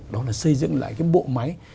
đó là xây dựng lại cái bộ máy